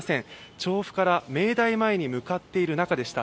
調布から明大前に向かっている中でした。